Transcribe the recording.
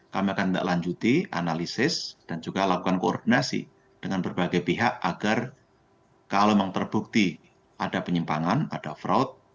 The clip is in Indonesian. kami akan mendaklanjuti analisis dan juga lakukan koordinasi dengan berbagai pihak agar kalau memang terbukti ada penyimpangan ada fraud